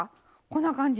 こんな感じ。